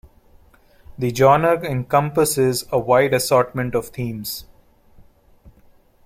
The genre encompasses a wide assortment of themes.